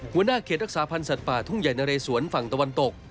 หัวหน้าเขตรักษาพันธ์สัตว์ป่าทุ่งใหญ่นะเรสวนฝั่งตะวันตก